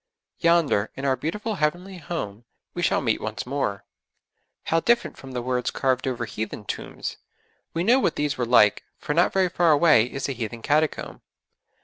Yonder, in our beautiful Heavenly Home, we shall meet once more. How different from the words carved over heathen tombs! We know what these were like, for not very far away is a heathen catacomb.